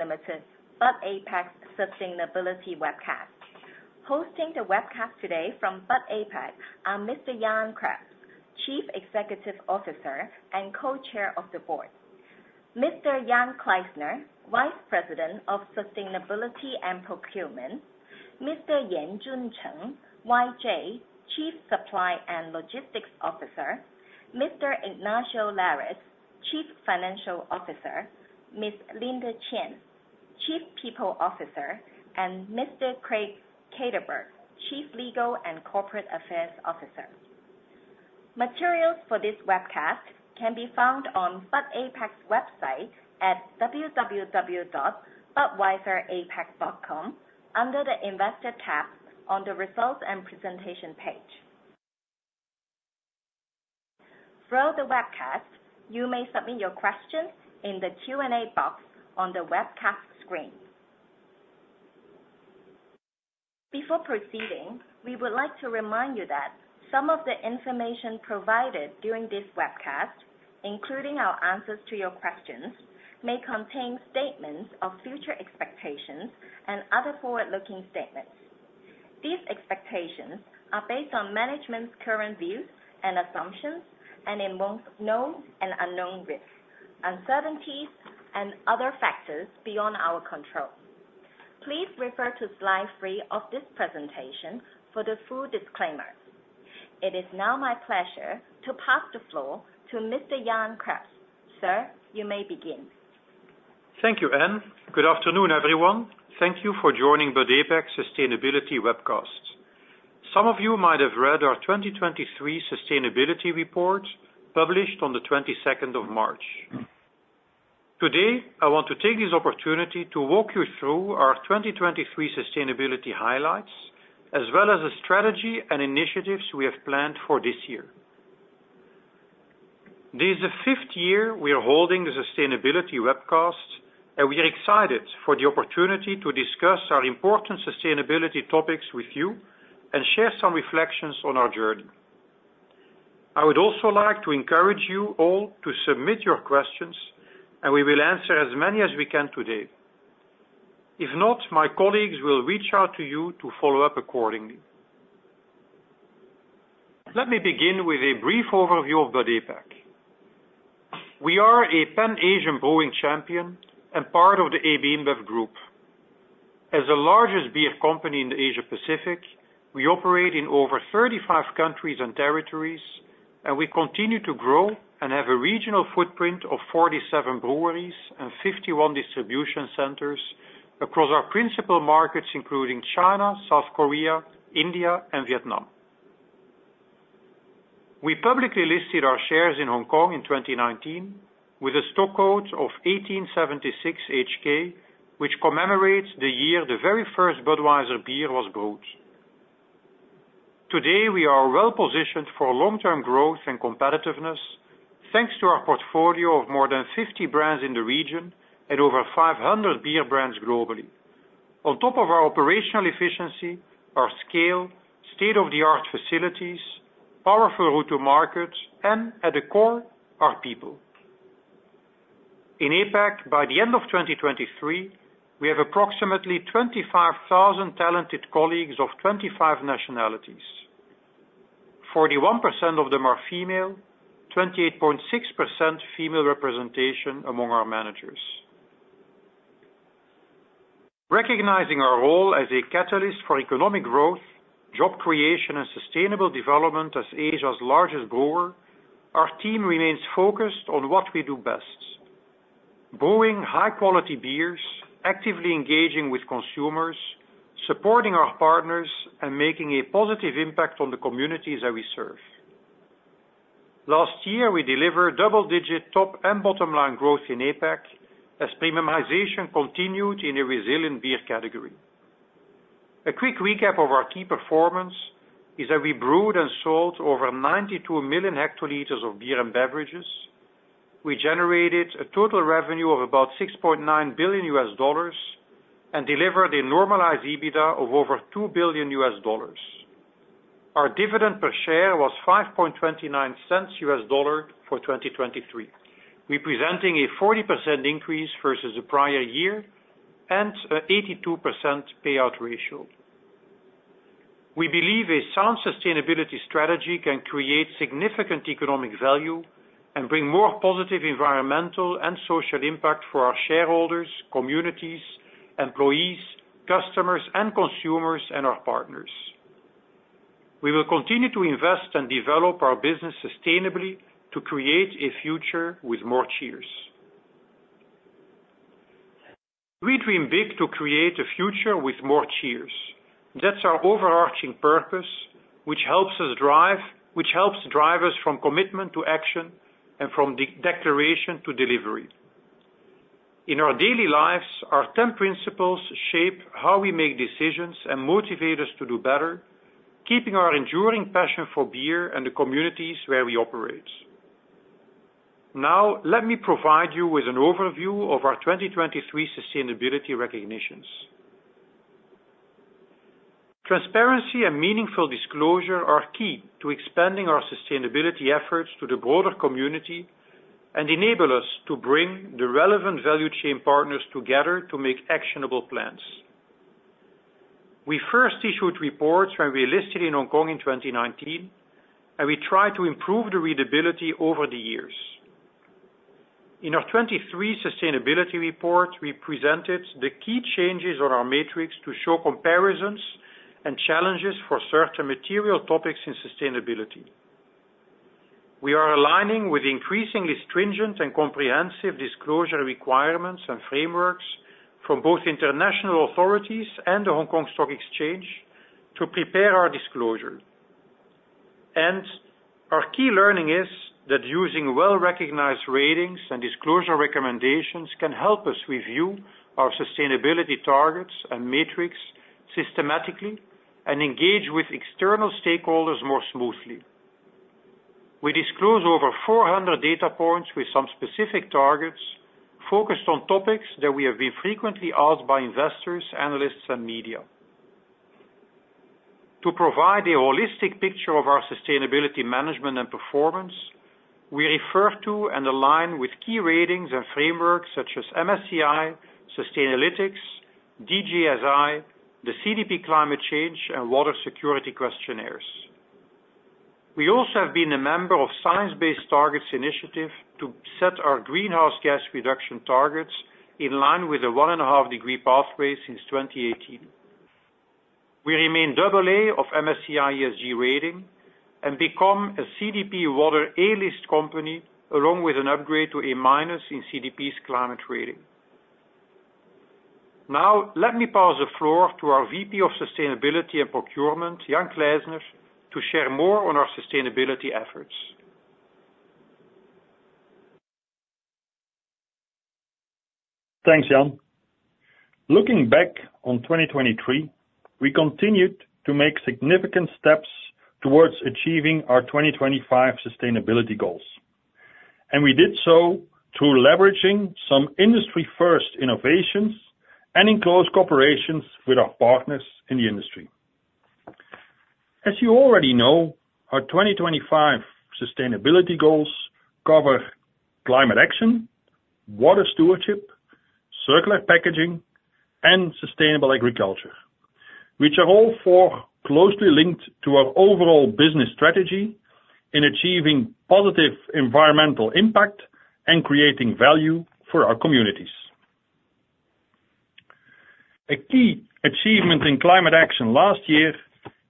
Limited, Bud APAC Sustainability Webcast. Hosting the webcast today from Bud APAC are Mr. Jan Craps, Chief Executive Officer and Co-Chair of the Board, Mr. Jan Clysner, Vice President of Sustainability and Procurement, Mr. Yanjun Cheng, YJ, Chief Supply and Logistics Officer, Mr. Ignacio Lares, Chief Financial Officer, Ms. Linda Qian, Chief People Officer, and Mr. Craig Katerberg, Chief Legal and Corporate Affairs Officer. Materials for this webcast can be found on Bud APAC's website at www.budweiserapac.com under the Investor tab on the Results and Presentation page. Through the webcast, you may submit your questions in the Q&A box on the webcast screen. Before proceeding, we would like to remind you that some of the information provided during this webcast, including our answers to your questions, may contain statements of future expectations and other forward-looking statements. These expectations are based on management's current views and assumptions and involve known and unknown risks, uncertainties, and other factors beyond our control. Please refer to slide three of this presentation for the full disclaimer. It is now my pleasure to pass the floor to Mr. Jan Craps. Sir, you may begin. Thank you, Ann. Good afternoon, everyone. Thank you for joining Bud APAC Sustainability Webcast. Some of you might have read our 2023 sustainability report, published on the 22nd of March. Today, I want to take this opportunity to walk you through our 2023 sustainability highlights, as well as the strategy and initiatives we have planned for this year. This is the 5th year we are holding the sustainability webcast, and we are excited for the opportunity to discuss our important sustainability topics with you and share some reflections on our journey. I would also like to encourage you all to submit your questions, and we will answer as many as we can today. If not, my colleagues will reach out to you to follow up accordingly. Let me begin with a brief overview of Bud APAC. We are a Pan-Asian brewing champion and part of the AB InBev group. As the largest beer company in the Asia Pacific, we operate in over 35 countries and territories, and we continue to grow and have a regional footprint of 47 breweries and 51 distribution centers across our principal markets, including China, South Korea, India, and Vietnam. We publicly listed our shares in Hong Kong in 2019, with a stock code of 1876 HK, which commemorates the year the very first Budweiser beer was brewed. Today, we are well-positioned for long-term growth and competitiveness, thanks to our portfolio of more than 50 brands in the region and over 500 beer brands globally. On top of our operational efficiency, our scale, state-of-the-art facilities, powerful go-to-market, and at the core, our people. In APAC, by the end of 2023, we have approximately 25,000 talented colleagues of 25 nationalities. 41% of them are female, 28.6% female representation among our managers. Recognizing our role as a catalyst for economic growth, job creation, and sustainable development as Asia's largest brewer, our team remains focused on what we do best, brewing high-quality beers, actively engaging with consumers, supporting our partners, and making a positive impact on the communities that we serve. Last year, we delivered double-digit top and bottom line growth in APAC, as premiumization continued in a resilient beer category. A quick recap of our key performance is that we brewed and sold over 92 million hectoliters of beer and beverages. We generated a total revenue of about $6.9 billion and delivered a normalized EBITDA of over $2 billion. Our dividend per share was $0.0529 for 2023, representing a 40% increase versus the prior year and an 82% payout ratio. We believe a sound sustainability strategy can create significant economic value and bring more positive environmental and social impact for our shareholders, communities, employees, customers, and consumers, and our partners. We will continue to invest and develop our business sustainably to create a future with more cheers. We dream big to create a future with more cheers. That's our overarching purpose, which helps drive us from commitment to action and from declaration to delivery. In our daily lives, our 10 principles shape how we make decisions and motivate us to do better, keeping our enduring passion for beer and the communities where we operate. Now, let me provide you with an overview of our 2023 sustainability recognitions. Transparency and meaningful disclosure are key to expanding our sustainability efforts to the broader community and enable us to bring the relevant value chain partners together to make actionable plans. We first issued reports when we listed in Hong Kong in 2019, and we tried to improve the readability over the years. In our 2023 sustainability report, we presented the key changes on our matrix to show comparisons and challenges for certain material topics in sustainability. We are aligning with increasingly stringent and comprehensive disclosure requirements and frameworks from both international authorities and the Hong Kong Stock Exchange to prepare our disclosure. Our key learning is that using well-recognized ratings and disclosure recommendations can help us review our sustainability terms and metrics systematically and engage with external stakeholders more smoothly. We disclose over 400 data points with some specific targets, focused on topics that we have been frequently asked by investors, analysts, and media. To provide a holistic picture of our sustainability, management, and performance, we refer to and align with key ratings and frameworks such as MSCI, Sustainalytics, DJSI, the CDP Climate Change and Water Security Questionnaires. We also have been a member of Science Based Targets initiative to set our greenhouse gas reduction targets in line with a 1.5-degree pathway since 2018. We remain AA of MSCI ESG rating and become a CDP Water A List company, along with an upgrade to A- in CDP's climate rating. Now, let me pass the floor to our VP of Sustainability and Procurement, Jan Clysner, to share more on our sustainability efforts. Thanks, Jan. Looking back on 2023, we continued to make significant steps towards achieving our 2025 sustainability goals, and we did so through leveraging some industry-first innovations and in close collaboration with our partners in the industry. As you already know, our 2025 sustainability goals cover climate action, water stewardship, circular packaging, and sustainable agriculture, which are all four closely linked to our overall business strategy in achieving positive environmental impact and creating value for our communities. A key achievement in climate action last year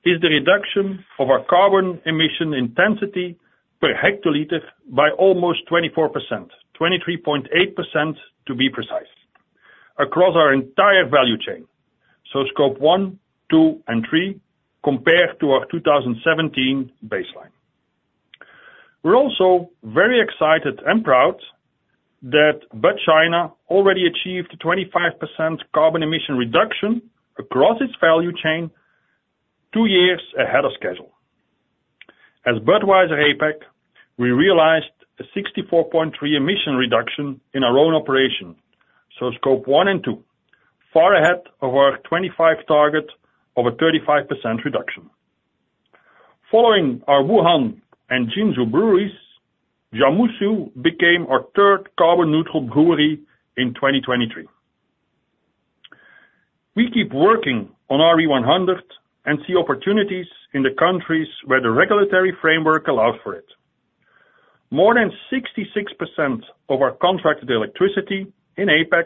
is the reduction of our carbon emission intensity per hectoliter by almost 24%, 23.8%, to be precise, across our entire value chain. So Scope 1, 2, and 3, compared to our 2017 baseline. We're also very excited and proud that Bud China already achieved a 25% carbon emission reduction across its value chain, two years ahead of schedule. As Budweiser APAC, we realized a 64.3 emission reduction in our own operation, so Scope 1 and 2, far ahead of our 2025 target of a 35% reduction. Following our Wuhan and Jinzhou breweries, Jiamusi became our third carbon neutral brewery in 2023. We keep working on RE100 and see opportunities in the countries where the regulatory framework allows for it. More than 66% of our contracted electricity in APAC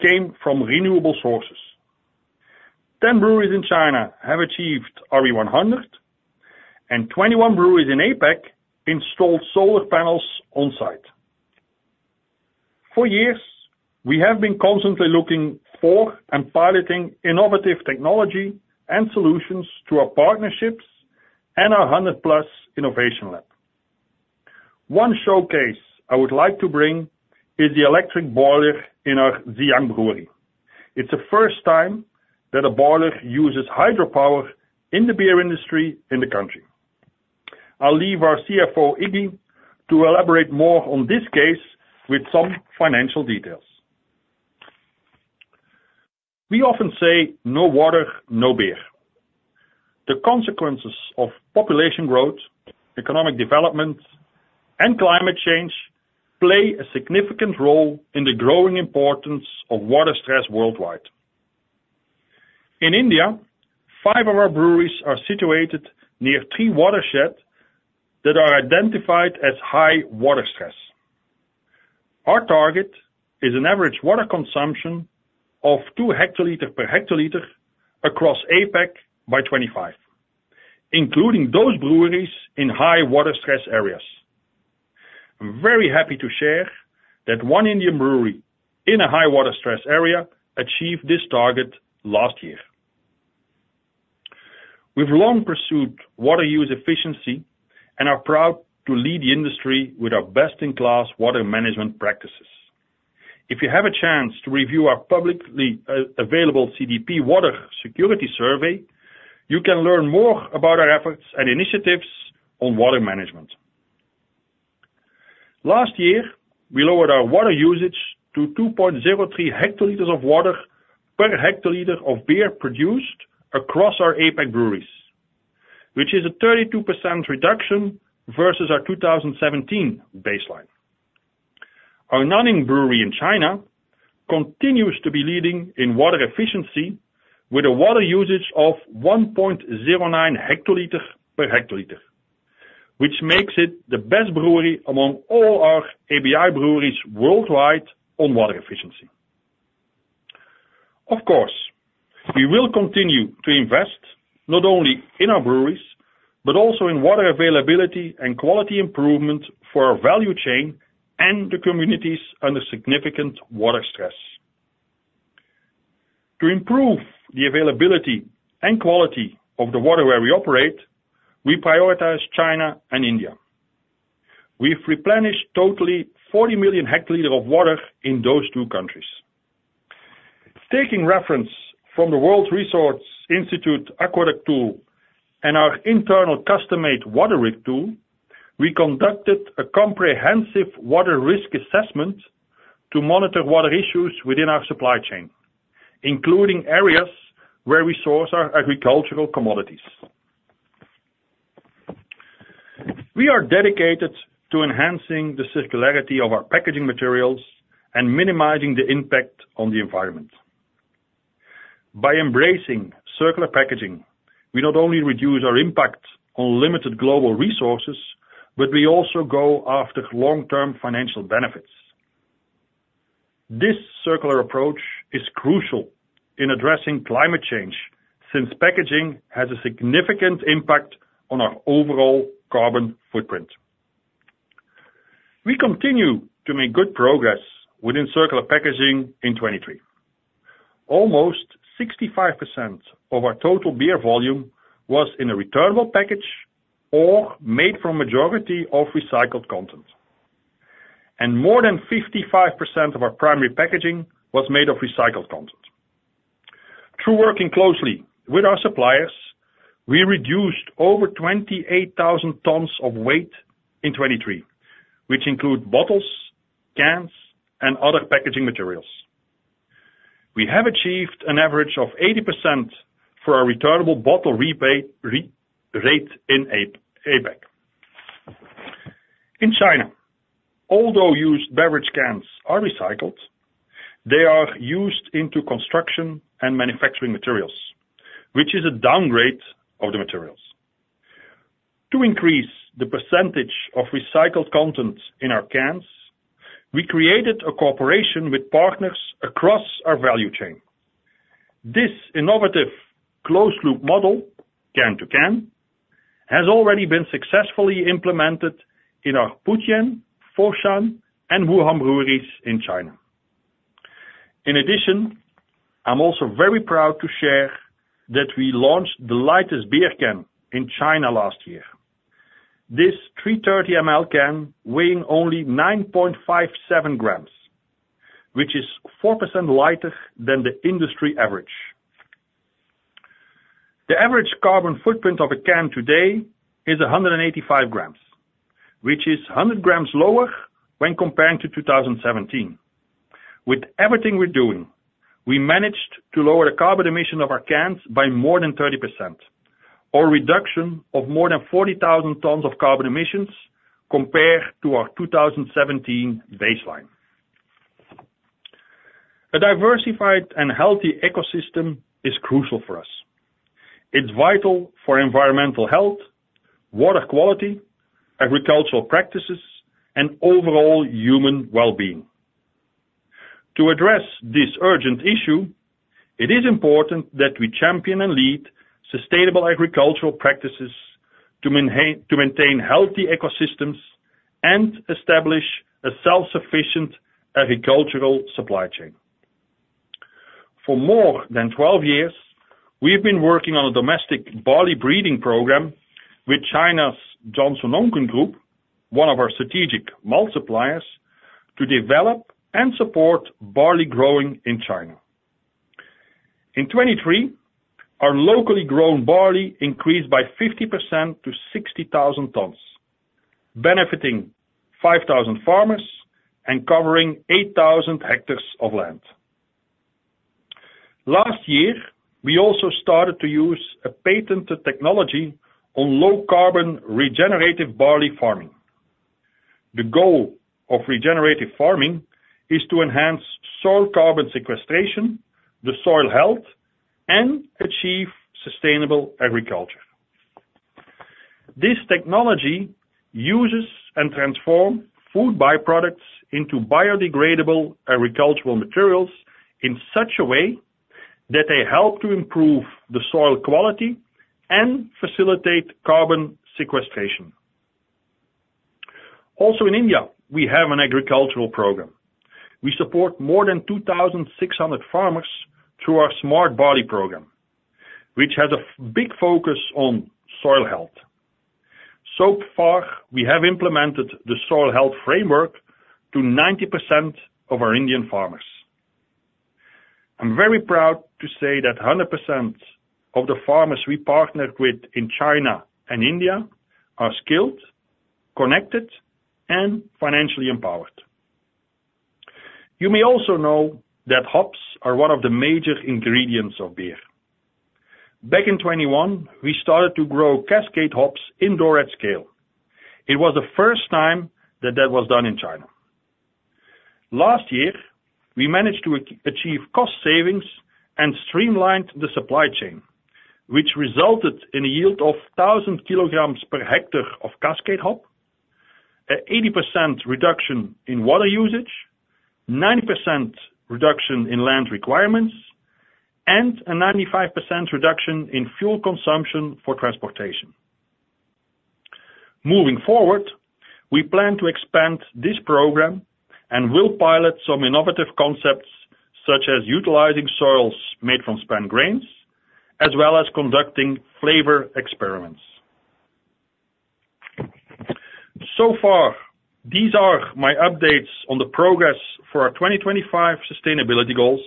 came from renewable sources. 10 breweries in China have achieved RE100, and 21 breweries in APAC installed solar panels on site. For years, we have been constantly looking for and piloting innovative technology and solutions through our partnerships and our 100+ Innovation Lab. One showcase I would like to bring is the electric boiler in our Ziyang Brewery. It's the first time that a boiler uses hydropower in the beer industry in the country. I'll leave our CFO, Iggy, to elaborate more on this case with some financial details. We often say, "No water, no beer." The consequences of population growth, economic development, and climate change play a significant role in the growing importance of water stress worldwide. In India, 5 of our breweries are situated near 3 watersheds that are identified as high water stress. Our target is an average water consumption of 2 hectoliters per hectoliter across APAC by 2025, including those breweries in high water stress areas. I'm very happy to share that 1 Indian brewery in a high water stress area achieved this target last year. We've long pursued water use efficiency and are proud to lead the industry with our best-in-class water management practices. If you have a chance to review our publicly available CDP Water Security Survey, you can learn more about our efforts and initiatives on water management. Last year, we lowered our water usage to 2.03 hectoliters of water per hectoliter of beer produced across our APAC breweries, which is a 32% reduction versus our 2017 baseline. Our Nanning brewery in China continues to be leading in water efficiency, with a water usage of 1.09 hectoliter per hectoliter, which makes it the best brewery among all our ABI breweries worldwide on water efficiency. Of course, we will continue to invest not only in our breweries, but also in water availability and quality improvement for our value chain and the communities under significant water stress. To improve the availability and quality of the water where we operate, we prioritize China and India. We've replenished totally 40 million hectoliters of water in those two countries. Taking reference from the World Resources Institute Aqueduct tool and our internal custom-made water risk tool, we conducted a comprehensive water risk assessment to monitor water issues within our supply chain, including areas where we source our agricultural commodities. We are dedicated to enhancing the circularity of our packaging materials and minimizing the impact on the environment. By embracing circular packaging, we not only reduce our impact on limited global resources, but we also go after long-term financial benefits. This circular approach is crucial in addressing climate change, since packaging has a significant impact on our overall carbon footprint. We continue to make good progress within circular packaging in 2023. Almost 65% of our total beer volume was in a returnable package or made from majority of recycled content, and more than 55% of our primary packaging was made of recycled content. Through working closely with our suppliers, we reduced over 28,000 tons of weight in 2023, which include bottles, cans, and other packaging materials. We have achieved an average of 80% for our returnable bottle return rate in APAC. In China, although used beverage cans are recycled, they are used into construction and manufacturing materials, which is a downgrade of the materials. To increase the percentage of recycled content in our cans, we created a cooperation with partners across our value chain. This innovative closed loop model, Can-to-Can, has already been successfully implemented in our Putian, Foshan, and Wuhan breweries in China. In addition, I'm also very proud to share that we launched the lightest beer can in China last year. This 330 ml can, weighing only 9.57 grams, which is 4% lighter than the industry average. The average carbon footprint of a can today is 185 grams, which is 100 grams lower when comparing to 2017. With everything we're doing, we managed to lower the carbon emission of our cans by more than 30%, or reduction of more than 40,000 tons of carbon emissions compared to our 2017 baseline. A diversified and healthy ecosystem is crucial for us. It's vital for environmental health, water quality, agricultural practices, and overall human well-being. To address this urgent issue, it is important that we champion and lead sustainable agricultural practices to maintain healthy ecosystems and establish a self-sufficient agricultural supply chain. For more than 12 years, we've been working on a domestic barley breeding program with China's Jiangsu Nongken Group, one of our strategic malt suppliers, to develop and support barley growing in China. In 2023, our locally grown barley increased by 50% to 60,000 tons, benefiting 5,000 farmers and covering 8,000 hectares of land. Last year, we also started to use a patented technology on low-carbon regenerative barley farming. The goal of regenerative farming is to enhance soil carbon sequestration, the soil health, and achieve sustainable agriculture. This technology uses and transform food byproducts into biodegradable agricultural materials in such a way that they help to improve the soil quality and facilitate carbon sequestration. Also, in India, we have an agricultural program. We support more than 2,600 farmers through our Smart Barley program, which has a big focus on soil health. So far, we have implemented the soil health framework to 90% of our Indian farmers.... I'm very proud to say that 100% of the farmers we partnered with in China and India are skilled, connected, and financially empowered. You may also know that hops are one of the major ingredients of beer. Back in 2021, we started to grow Cascade hops indoor at scale. It was the first time that that was done in China. Last year, we managed to achieve cost savings and streamlined the supply chain, which resulted in a yield of 1,000 kilograms per hectare of Cascade hop, an 80% reduction in water usage, 90% reduction in land requirements, and a 95% reduction in fuel consumption for transportation. Moving forward, we plan to expand this program and will pilot some innovative concepts, such as utilizing soils made from spent grains, as well as conducting flavor experiments. So far, these are my updates on the progress for our 2025 sustainability goals,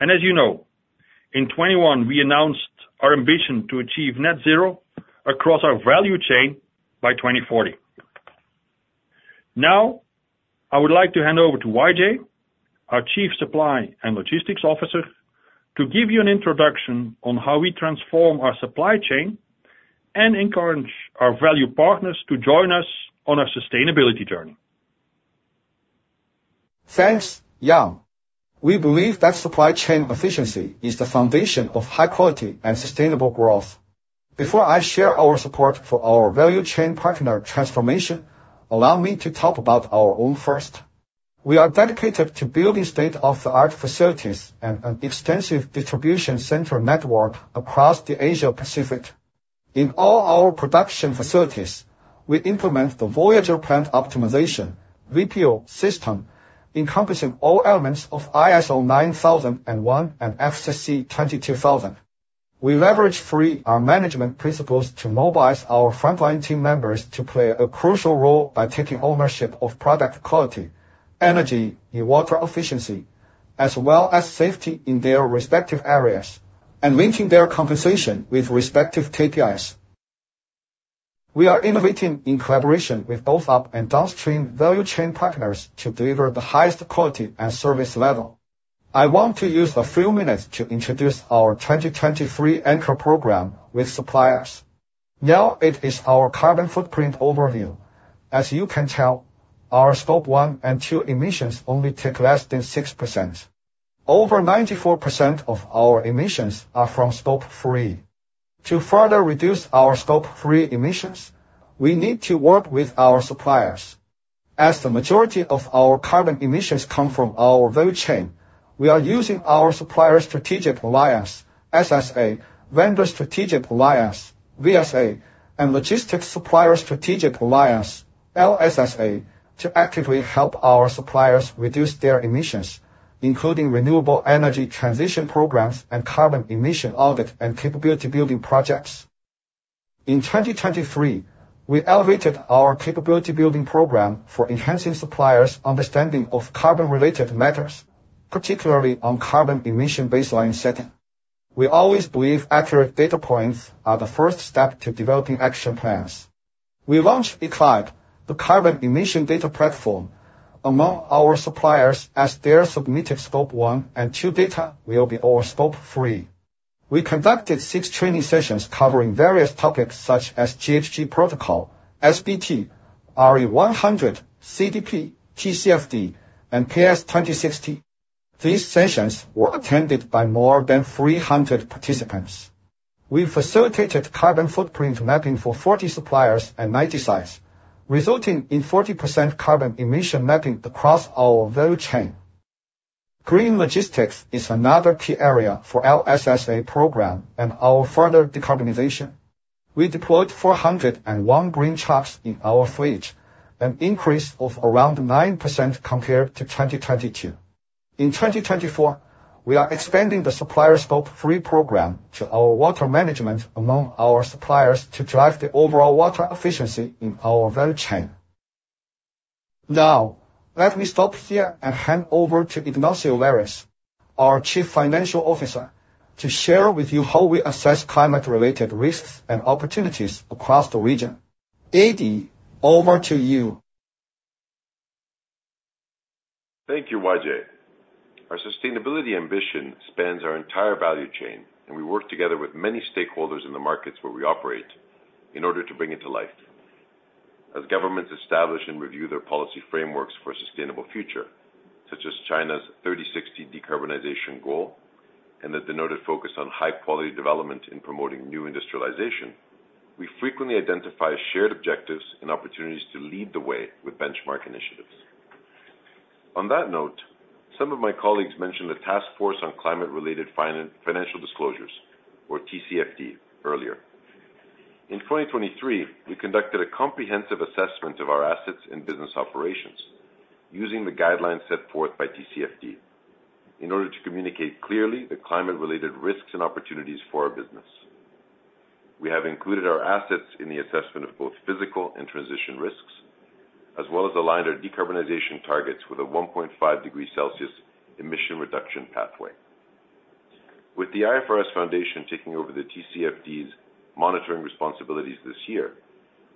and as you know, in 2021, we announced our ambition to achieve net zero across our value chain by 2040. Now, I would like to hand over to YJ, our Chief Supply and Logistics Officer, to give you an introduction on how we transform our supply chain and encourage our value partners to join us on our sustainability journey. Thanks, Jan. We believe that supply chain efficiency is the foundation of high quality and sustainable growth. Before I share our support for our value chain partner transformation, allow me to talk about our own first. We are dedicated to building state-of-the-art facilities and an extensive distribution center network across the Asia Pacific. In all our production facilities, we implement the Voyager Plant Optimization, VPO, system, encompassing all elements of ISO 9001 and FSSC 22000. We leverage three, our management principles to mobilize our frontline team members to play a crucial role by taking ownership of product quality, energy, and water efficiency, as well as safety in their respective areas, and linking their compensation with respective KPIs. We are innovating in collaboration with both up and downstream value chain partners to deliver the highest quality and service level. I want to use a few minutes to introduce our 2023 anchor program with suppliers. Now, it is our carbon footprint overview. As you can tell, our Scope 1 and 2 emissions only take less than 6%. Over 94% of our emissions are from Scope 3. To further reduce our Scope 3 emissions, we need to work with our suppliers. As the majority of our carbon emissions come from our value chain, we are using our Supplier Strategic Alliance, SSA, Vendor Strategic Alliance, VSA, and Logistics Supplier Strategic Alliance, LSSA, to actively help our suppliers reduce their emissions, including renewable energy transition programs and carbon emission audit and capability building projects. In 2023, we elevated our capability building program for enhancing suppliers' understanding of carbon-related matters, particularly on carbon emission baseline setting. We always believe accurate data points are the first step to developing action plans. We launched E-Cloud, the carbon emission data platform, among our suppliers as their submitted Scope 1 and 2 data will be our Scope 3. We conducted six training sessions covering various topics such as GHG Protocol, SBT, RE100, CDP, TCFD, and PAS 2060. These sessions were attended by more than 300 participants. We facilitated carbon footprint mapping for 40 suppliers and 90 sites, resulting in 40% carbon emission mapping across our value chain. Green logistics is another key area for LSSA program and our further decarbonization. We deployed 401 green trucks in our fleet, an increase of around 9% compared to 2022. In 2024, we are expanding the Supplier Scope 3 program to our water management among our suppliers to drive the overall water efficiency in our value chain. Now, let me stop here and hand over to Ignacio Lares, our Chief Financial Officer, to share with you how we assess climate-related risks and opportunities across the region. Iggy, over to you. Thank you, YJ. Our sustainability ambition spans our entire value chain, and we work together with many stakeholders in the markets where we operate in order to bring it to life. As governments establish and review their policy frameworks for a sustainable future, such as China's 30/60 decarbonization goal and the denoted focus on high-quality development in promoting new industrialization, we frequently identify shared objectives and opportunities to lead the way with benchmark initiatives. On that note, some of my colleagues mentioned the Task Force on Climate-Related Financial Disclosures, or TCFD, earlier. In 2023, we conducted a comprehensive assessment of our assets and business operations using the guidelines set forth by TCFD in order to communicate clearly the climate-related risks and opportunities for our business. We have included our assets in the assessment of both physical and transition risks, as well as aligned our decarbonization targets with a 1.5 degree Celsius emission reduction pathway. With the IFRS Foundation taking over the TCFD's monitoring responsibilities this year,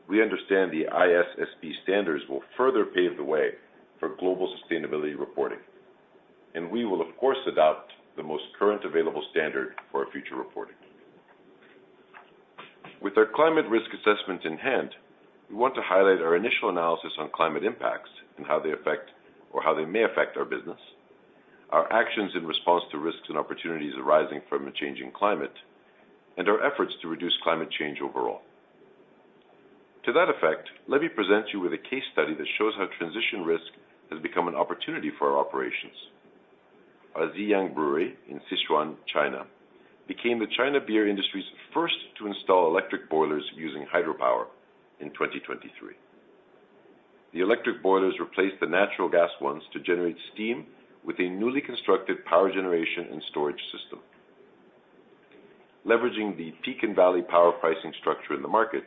we understand the ISSB standards will further pave the way for global sustainability reporting, and we will, of course, adopt the most current available standard for our future reporting. With our climate risk assessment in hand, we want to highlight our initial analysis on climate impacts and how they affect or how they may affect our business, our actions in response to risks and opportunities arising from a changing climate, and our efforts to reduce climate change overall. To that effect, let me present you with a case study that shows how transition risk has become an opportunity for our operations. Our Ziyang Brewery in Sichuan, China, became the China beer industry's first to install electric boilers using hydropower in 2023. The electric boilers replaced the natural gas ones to generate steam with a newly constructed power generation and storage system. Leveraging the peak and valley power pricing structure in the market,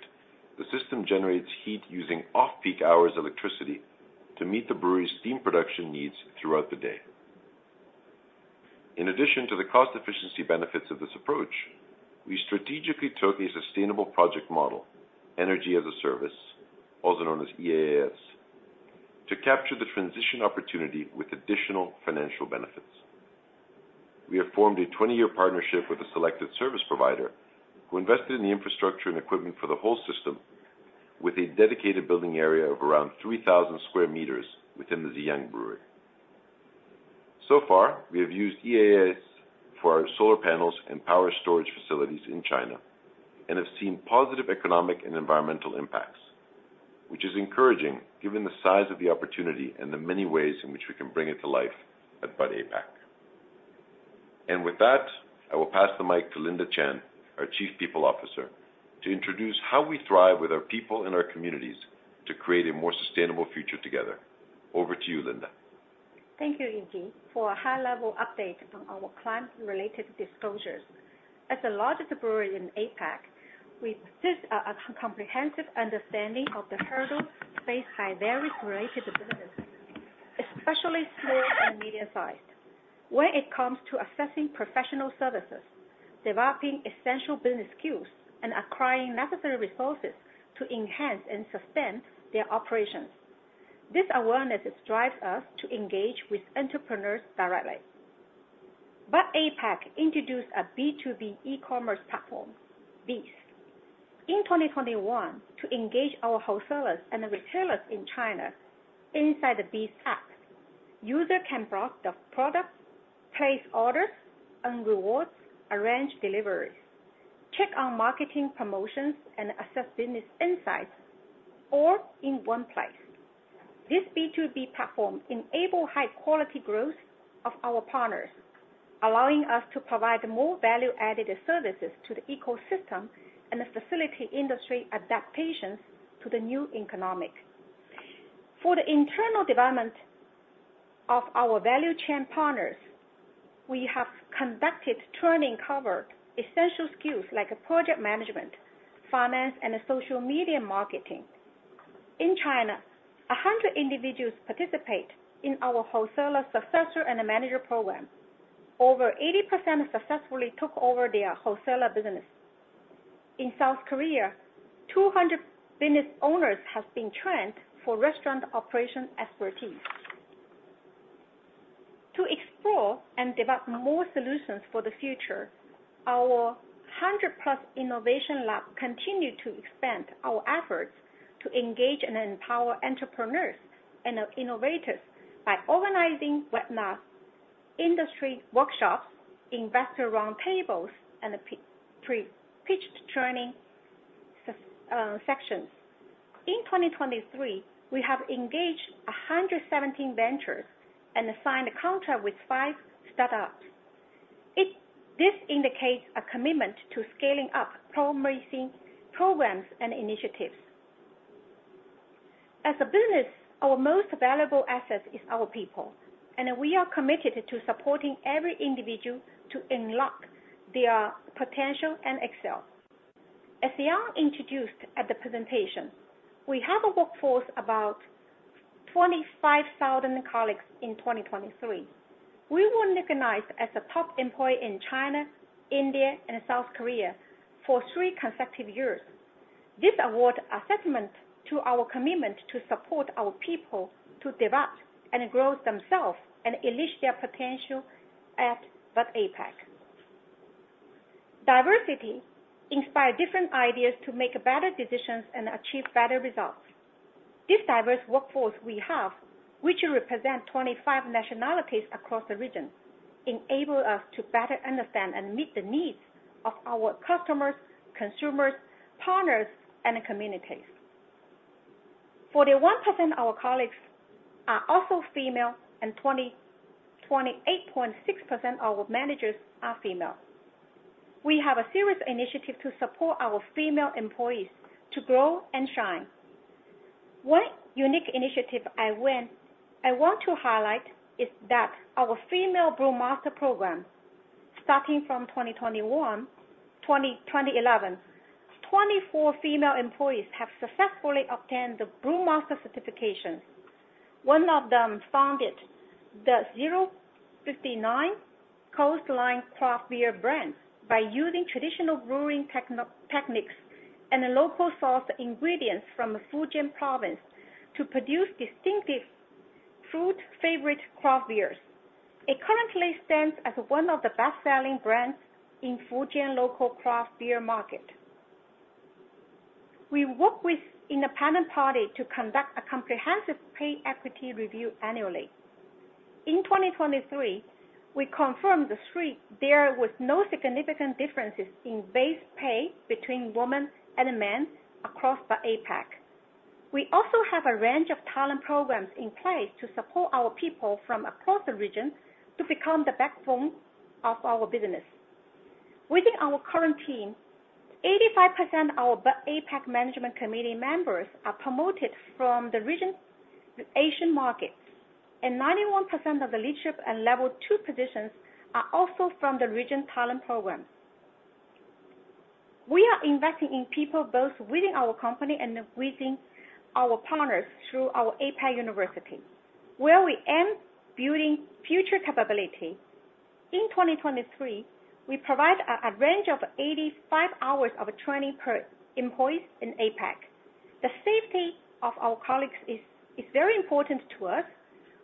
the system generates heat using off-peak hours electricity to meet the brewery's steam production needs throughout the day. In addition to the cost efficiency benefits of this approach, we strategically took a sustainable project model, Energy as a Service, also known as EaaS, to capture the transition opportunity with additional financial benefits. We have formed a 20-year partnership with a selected service provider, who invested in the infrastructure and equipment for the whole system, with a dedicated building area of around 3,000 square meters within the Ziyang Brewery. So far, we have used EaaS for our solar panels and power storage facilities in China, and have seen positive economic and environmental impacts, which is encouraging given the size of the opportunity and the many ways in which we can bring it to life at Bud APAC. With that, I will pass the mic to Linda Qian, our Chief People Officer, to introduce how we thrive with our people and our communities to create a more sustainable future together. Over to you, Linda. Thank you, Iggy, for a high-level update on our climate-related disclosures. As the largest brewery in APAC, we possess a comprehensive understanding of the hurdles faced by various related businesses, especially small and medium-sized. When it comes to accessing professional services, developing essential business skills, and acquiring necessary resources to enhance and sustain their operations, this awareness drives us to engage with entrepreneurs directly. Bud APAC introduced a B2B e-commerce platform, BEES, in 2021, to engage our wholesalers and retailers in China. Inside the BEES app, user can browse the product, place orders and rewards, arrange deliveries, check on marketing promotions, and assess business insights, all in one place. This B2B platform enable high-quality growth of our partners, allowing us to provide more value-added services to the ecosystem and facilitate industry adaptations to the new economic. For the internal development of our value chain partners, we have conducted training, covered essential skills like project management, finance, and social media marketing. In China, 100 individuals participate in our wholesaler successor and manager program. Over 80% successfully took over their wholesaler business. In South Korea, 200 business owners have been trained for restaurant operation expertise. To explore and develop more solutions for the future, our 100+ Innovation Lab continue to expand our efforts to engage and empower entrepreneurs and innovators by organizing webinars, industry workshops, investor roundtables, and pre-pitched training sessions. In 2023, we have engaged 117 ventures and signed a contract with 5 startups. This indicates a commitment to scaling up promising programs and initiatives. As a business, our most valuable asset is our people, and we are committed to supporting every individual to unlock their potential and excel. As Jan introduced at the presentation, we have a workforce about 25,000 colleagues in 2023. We were recognized as a Top Employer in China, India, and South Korea for three consecutive years. This award, a testament to our commitment to support our people to develop and grow themselves and unleash their potential at Bud APAC. Diversity inspire different ideas to make better decisions and achieve better results. This diverse workforce we have, which represent 25 nationalities across the region, enable us to better understand and meet the needs of our customers, consumers, partners, and communities. 41% of our colleagues are also female, and 28.6% of our managers are female. We have a serious initiative to support our female employees to grow and shine... One unique initiative I want to highlight is that our female brewmaster program, starting from 2021, 24 female employees have successfully obtained the brewmaster certification. One of them founded the 059 Coastline Craft Beer brand by using traditional brewing techniques and locally sourced ingredients from the Fujian Province to produce distinctive fruit-flavored craft beers. It currently stands as one of the best-selling brands in Fujian local craft beer market. We work with independent party to conduct a comprehensive pay equity review annually. In 2023, there was no significant differences in base pay between women and men across the APAC. We also have a range of talent programs in place to support our people from across the region to become the backbone of our business. Within our current team, 85% of our APAC management committee members are promoted from the region, Asian markets, and 91% of the leadership and level two positions are also from the region talent program. We are investing in people both within our company and within our partners through our APAC University, where we aim building future capability. In 2023, we provide a range of 85 hours of training per employee in APAC. The safety of our colleagues is very important to us.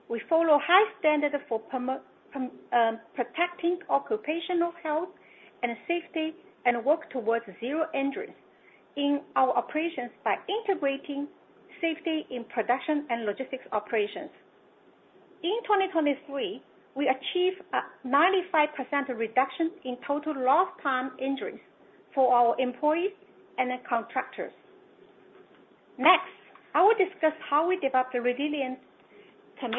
We follow high standards for protecting occupational health and safety, and work towards zero injuries in our operations by integrating safety in production and logistics operations. In 2023, we achieved a 95% reduction in total lost time injuries for our employees and the contractors. Next, I will discuss how we develop the resilient communities. First,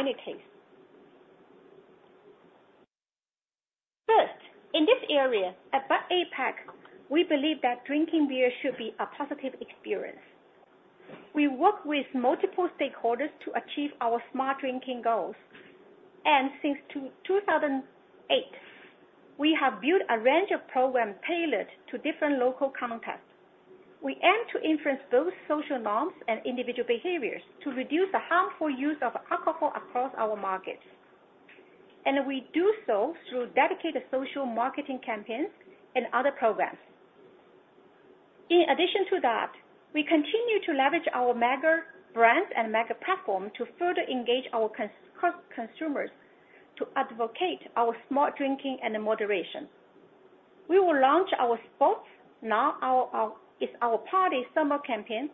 in this area, at Bud APAC, we believe that drinking beer should be a positive experience. We work with multiple stakeholders to achieve our smart drinking goals, and since 2008, we have built a range of programs tailored to different local contexts. We aim to influence both social norms and individual behaviors to reduce the harmful use of alcohol across our markets, and we do so through dedicated social marketing campaigns and other programs. In addition to that, we continue to leverage our mega brands and mega platform to further engage our consumers, to advocate our smart drinking and moderation. We will launch our party summer campaign, which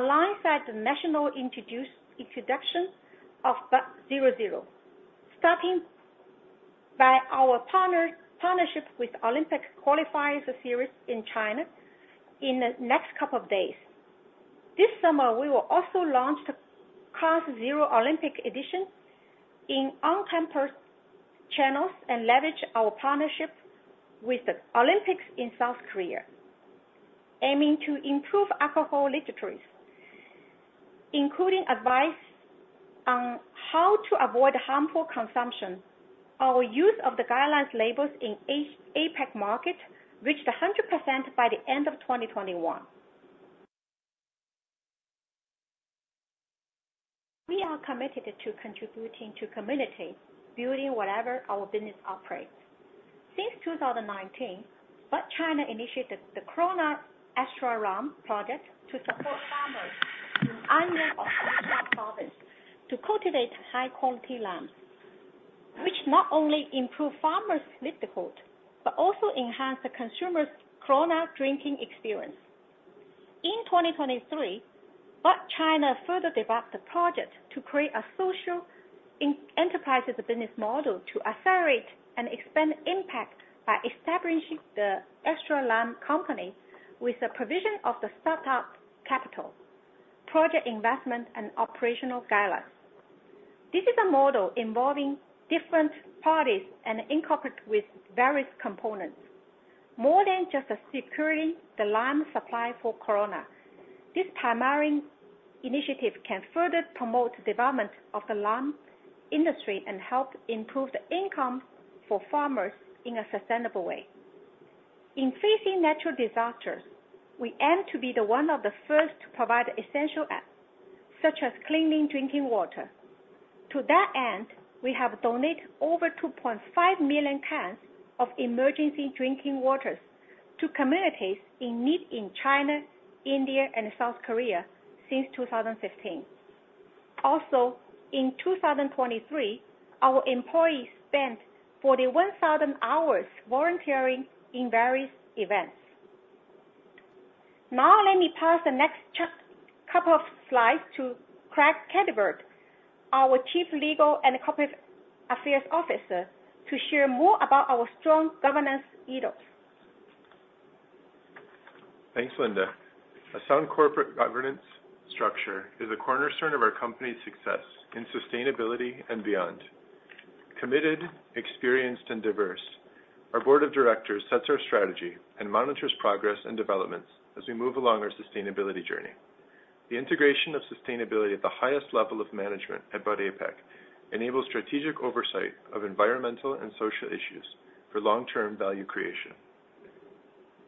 aligns with the national introduction of Bud Zero, starting with our partnership with Olympic Qualifier Series in China in the next couple of days. This summer, we will also launch the Cass Zero Olympic edition in on-premise channels and leverage our partnership with the Olympics in South Korea, aiming to improve alcohol literacy, including advice on how to avoid harmful consumption. Our use of the guidelines labels in the APAC market reached 100% by the end of 2021. We are committed to contributing to community building wherever our business operates. Since 2019, Bud China initiated the Corona Extra Lime Project to support farmers in Hunan Province to cultivate high quality limes, which not only improve farmers' livelihood, but also enhance the consumer's Corona drinking experience. In 2023, Bud China further developed the project to create a social enterprise business model to accelerate and expand impact by establishing the Extra Lime Company with the provision of the startup capital, project investment and operational guidelines. This is a model involving different parties and incorporate with various components. More than just securing the lime supply for Corona, this primary initiative can further promote development of the lime industry and help improve the income for farmers in a sustainable way. In facing natural disasters, we aim to be one of the first to provide essential aid, such as clean drinking water. To that end, we have donated over 2.5 million cans of emergency drinking water to communities in need in China, India, and South Korea since 2015. Also, in 2023, our employees spent 41,000 hours volunteering in various events. Now, let me pass the next couple of slides to Craig Katerberg, our Chief Legal and Corporate Affairs Officer, to share more about our strong governance ethos. Thanks, Linda. A sound corporate governance structure is a cornerstone of our company's success in sustainability and beyond. Committed, experienced, and diverse, our board of directors sets our strategy and monitors progress and developments as we move along our sustainability journey. The integration of sustainability at the highest level of management at Bud APAC enables strategic oversight of environmental and social issues for long-term value creation.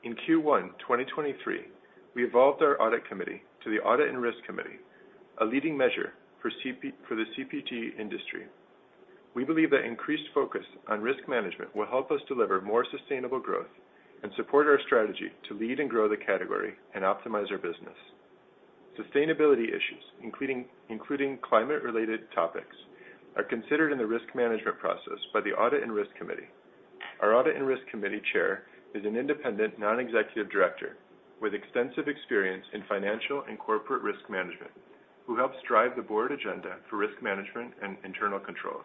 In Q1, 2023, we evolved our audit committee to the Audit and Risk Committee, a leading measure for CP- for the CPG industry. We believe that increased focus on risk management will help us deliver more sustainable growth and support our strategy to lead and grow the category and optimize our business. Sustainability issues, including climate-related topics, are considered in the risk management process by the Audit and Risk Committee. Our Audit and Risk Committee chair is an independent, non-executive director with extensive experience in financial and corporate risk management, who helps drive the board agenda for risk management and internal controls.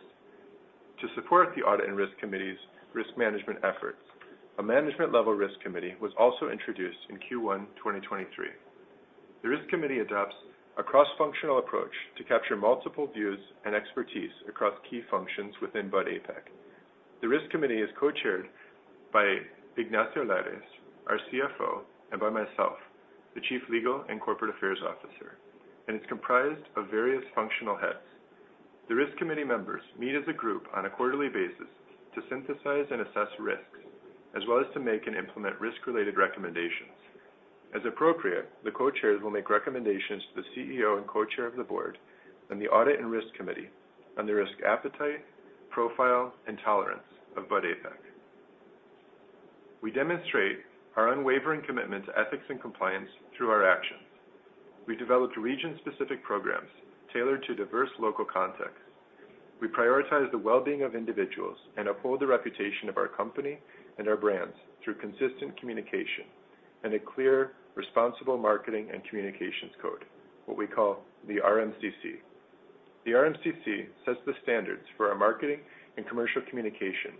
To support the Audit and Risk Committee's risk management efforts, a management-level Risk Committee was also introduced in Q1, 2023. The Risk Committee adopts a cross-functional approach to capture multiple views and expertise across key functions within Bud APAC. The Risk Committee is co-chaired by Ignacio Lares, our CFO, and by myself, the Chief Legal and Corporate Affairs Officer, and it's comprised of various functional heads. The Risk Committee members meet as a group on a quarterly basis to synthesize and assess risks, as well as to make and implement risk-related recommendations. As appropriate, the co-chairs will make recommendations to the CEO and Co-Chair of the Board and the Audit and Risk Committee on the risk, appetite, profile, and tolerance of Bud APAC. We demonstrate our unwavering commitment to ethics and compliance through our actions. We developed region-specific programs tailored to diverse local contexts. We prioritize the well-being of individuals and uphold the reputation of our company and our brands through consistent communication and a clear, responsible marketing and communications code, what we call the RMCC. The RMCC sets the standards for our marketing and commercial communication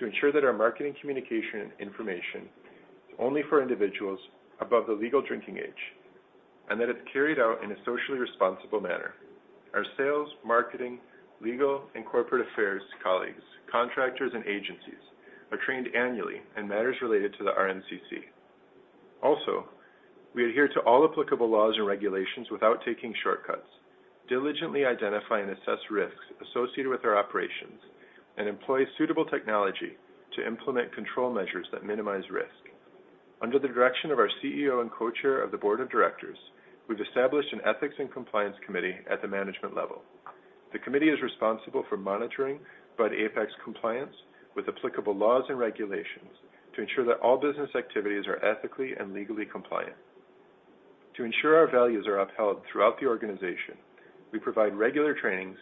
to ensure that our marketing, communication, and information is only for individuals above the legal drinking age, and that it's carried out in a socially responsible manner. Our sales, marketing, legal, and corporate affairs colleagues, contractors, and agencies are trained annually in matters related to the RMCC. Also, we adhere to all applicable laws and regulations without taking shortcuts, diligently identify and assess risks associated with our operations, and employ suitable technology to implement control measures that minimize risk. Under the direction of our CEO and Co-Chair of the board of directors, we've established an Ethics and Compliance Committee at the management level. The committee is responsible for monitoring Bud APAC's compliance with applicable laws and regulations to ensure that all business activities are ethically and legally compliant. To ensure our values are upheld throughout the organization, we provide regular trainings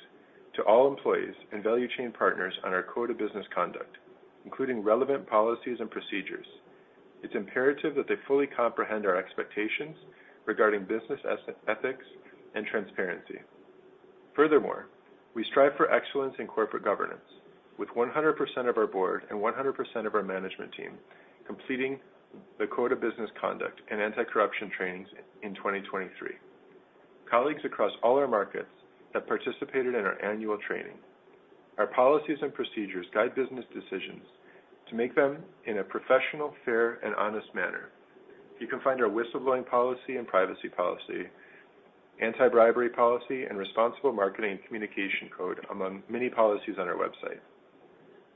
to all employees and value chain partners on our Code of Business Conduct, including relevant policies and procedures. It's imperative that they fully comprehend our expectations regarding business ethics and transparency. Furthermore, we strive for excellence in corporate governance with 100% of our board and 100% of our management team completing the Code of Business Conduct and anti-corruption trainings in 2023. Colleagues across all our markets have participated in our annual training. Our policies and procedures guide business decisions to make them in a professional, fair, and honest manner. You can find our Whistleblowing Policy and Privacy Policy, Anti-Bribery Policy, and Responsible Marketing and Communications Code among many policies on our website.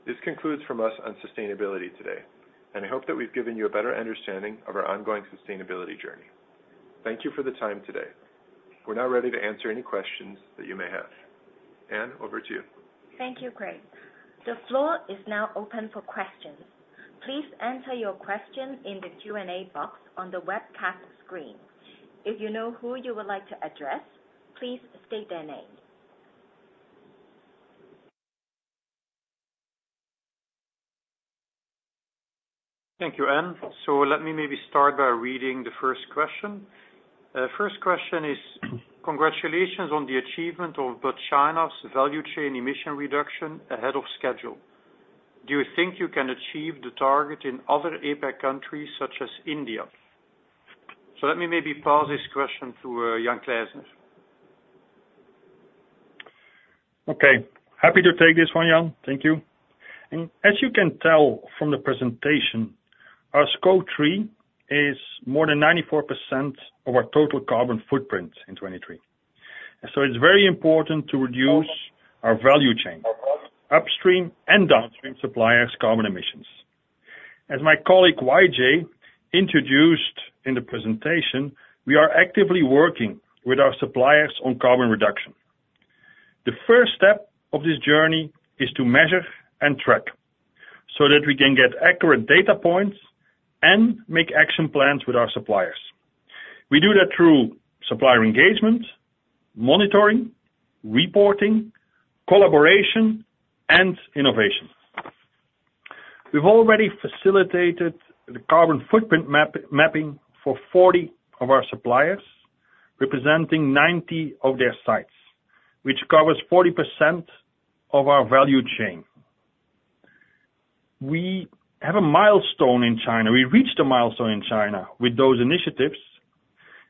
This concludes from us on sustainability today, and I hope that we've given you a better understanding of our ongoing sustainability journey. Thank you for the time today. We're now ready to answer any questions that you may have. Ann, over to you. Thank you, Craig. The floor is now open for questions. Please enter your question in the Q&A box on the webcast screen. If you know who you would like to address, please state their name. Thank you, Ann. So let me maybe start by reading the first question. First question is: congratulations on the achievement of Bud China's value chain emission reduction ahead of schedule. Do you think you can achieve the target in other APAC countries such as India? So let me maybe pass this question to, Jan Clysner. Okay, happy to take this one, Jan. Thank you. And as you can tell from the presentation, our Scope 3 is more than 94% of our total carbon footprint in 2023, and so it's very important to reduce our value chain, upstream and downstream suppliers' carbon emissions. As my colleague, YJ, introduced in the presentation, we are actively working with our suppliers on carbon reduction. The first step of this journey is to measure and track, so that we can get accurate data points and make action plans with our suppliers. We do that through supplier engagement, monitoring, reporting, collaboration, and innovation. We've already facilitated the carbon footprint mapping for 40 of our suppliers, representing 90 of their sites, which covers 40% of our value chain. We have a milestone in China. We reached a milestone in China with those initiatives,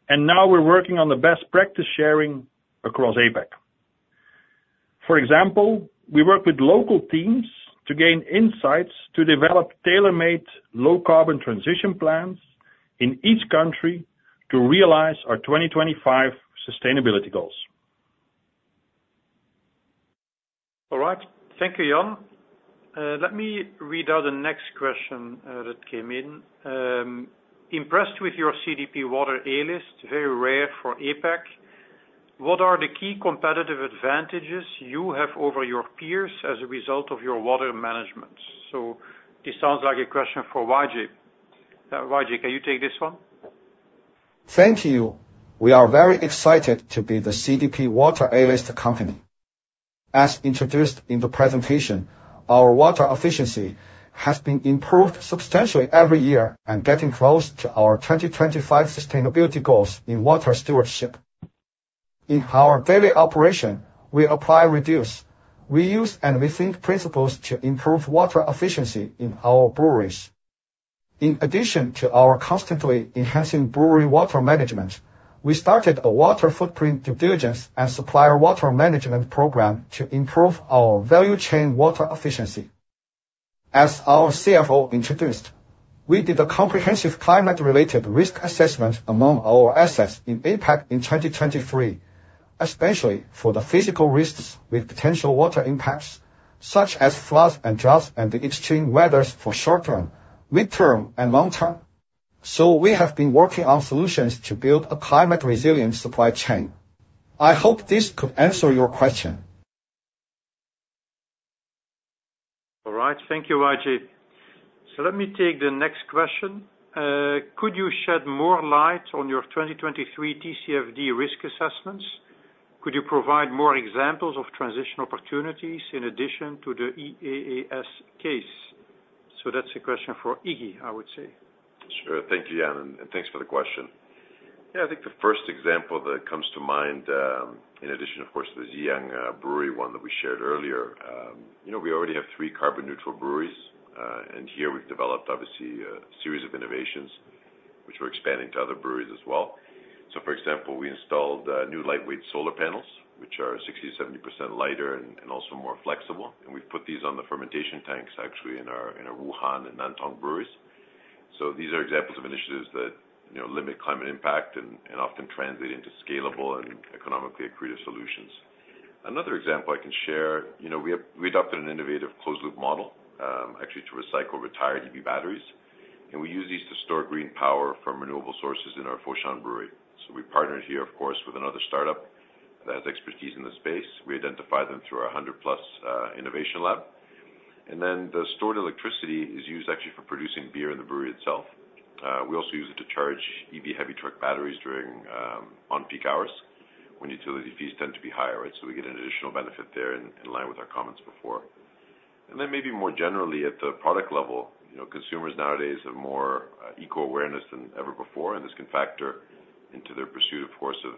and now we're working on the best practice sharing across APAC. For example, we work with local teams to gain insights to develop tailor-made, low-carbon transition plans in each country to realize our 2025 sustainability goals. All right. Thank you, Jan. Let me read out the next question that came in. Impressed with your CDP water A-list, very rare for APAC. What are the key competitive advantages you have over your peers as a result of your water management? So this sounds like a question for YJ. YJ, can you take this one? Thank you. We are very excited to be the CDP Water A-list company. As introduced in the presentation, our water efficiency has been improved substantially every year and getting close to our 2025 sustainability goals in water stewardship. In our daily operation, we apply, reduce, reuse, and rethink principles to improve water efficiency in our breweries. In addition to our constantly enhancing brewery water management, we started a water footprint due diligence and supplier water management program to improve our value chain water efficiency. As our CFO introduced, we did a comprehensive climate-related risk assessment among our assets in APAC in 2023, especially for the physical risks with potential water impacts, such as floods and droughts and the extreme weathers for short term, midterm, and long term. So we have been working on solutions to build a climate-resilient supply chain. I hope this could answer your question. All right. Thank you, YJ. So let me take the next question. Could you shed more light on your 2023 TCFD risk assessments? Could you provide more examples of transition opportunities in addition to the EaaS case? So that's a question for Iggy, I would say. Sure. Thank you, Jan, and thanks for the question. Yeah, I think the first example that comes to mind, in addition, of course, the Ziyang brewery, one that we shared earlier. You know, we already have three carbon-neutral breweries, and here we've developed, obviously, a series of innovations which we're expanding to other breweries as well. So, for example, we installed new lightweight solar panels, which are 60%-70% lighter and also more flexible. And we've put these on the fermentation tanks, actually, in our Wuhan and Nantong breweries. So these are examples of initiatives that, you know, limit climate impact and often translate into scalable and economically accretive solutions. Another example I can share, you know, we have adopted an innovative closed loop model, actually, to recycle retired EV batteries, and we use these to store green power from renewable sources in our Foshan brewery. So we partnered here, of course, with another startup that has expertise in this space. We identify them through our 100+ innovation lab. And then the stored electricity is used actually for producing beer in the brewery itself. We also use it to charge EV heavy truck batteries during on peak hours, when utility fees tend to be higher, right? So we get an additional benefit there in line with our comments before. And then maybe more generally at the product level, you know, consumers nowadays have more eco-awareness than ever before, and this can factor into their pursuit, of course, of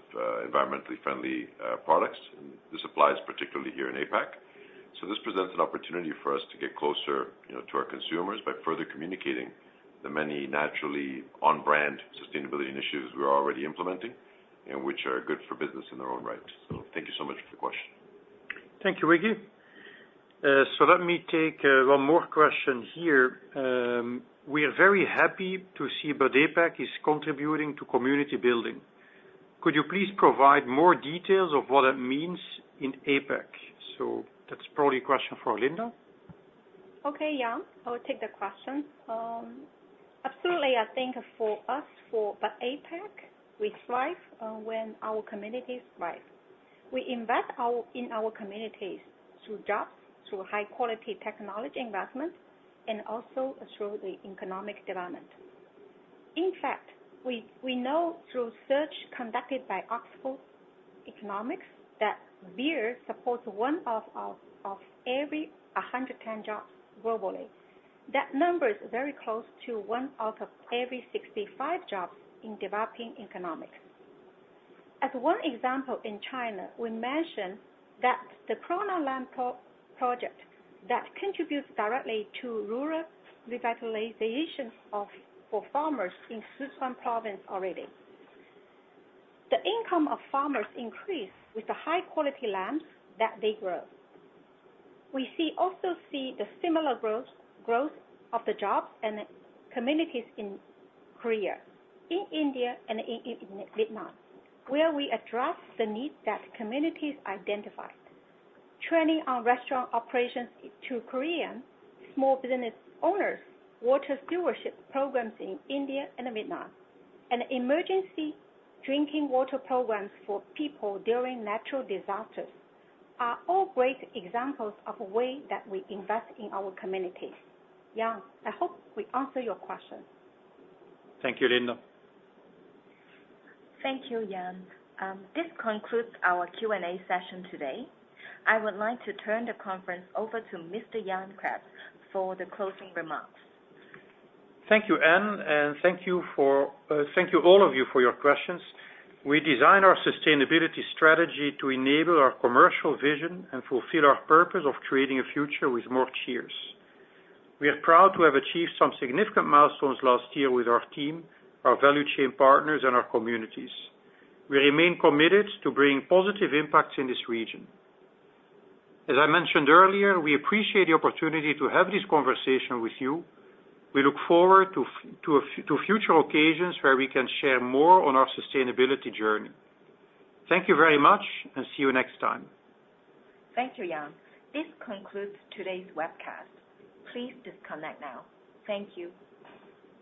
environmentally friendly products. This applies particularly here in APAC. So this presents an opportunity for us to get closer, you know, to our consumers by further communicating the many naturally on-brand sustainability initiatives we're already implementing and which are good for business in their own right. So thank you so much for the question. Thank you, Iggy. So let me take one more question here. We are very happy to see that APAC is contributing to community building. Could you please provide more details of what it means in APAC? So that's probably a question for Linda. Okay, Jan, I will take the question. Absolutely. I think for us, for Bud APAC, we thrive when our communities thrive. We invest in our communities through jobs, through high quality technology investments, and also through the economic development. In fact, we know through research conducted by Oxford Economics, that beer supports one out of every 110 jobs globally. That number is very close to one out of every 65 jobs in developing economies. As one example, in China, we mentioned that the Corona Lime Project, that contributes directly to rural revitalization for farmers in Sichuan province already. The income of farmers increase with the high quality limes that they grow. We also see the similar growth of the jobs and the communities in Korea, in India, and in Vietnam, where we address the needs that communities identified. Training on restaurant operations to Korean small business owners, water stewardship programs in India and Vietnam, and emergency drinking water programs for people during natural disasters are all great examples of a way that we invest in our communities. Jan, I hope we answer your question. Thank you, Linda. Thank you, Jan. This concludes our Q&A session today. I would like to turn the conference over to Mr. Jan Craps for the closing remarks. Thank you, Ann, and thank you for. Thank you, all of you, for your questions. We designed our sustainability strategy to enable our commercial vision and fulfill our purpose of creating a future with more cheers. We are proud to have achieved some significant milestones last year with our team, our value chain partners, and our communities. We remain committed to bringing positive impacts in this region. As I mentioned earlier, we appreciate the opportunity to have this conversation with you. We look forward to future occasions where we can share more on our sustainability journey. Thank you very much, and see you next time. Thank you, Jan. This concludes today's webcast. Please disconnect now. Thank you.